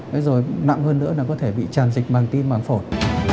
thế rồi nặng hơn nữa là có thể bị tràn dịch bằng tim màng phổi